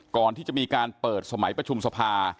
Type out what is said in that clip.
ก่อนที่จะมีการเปิดสมัยประชุมสภา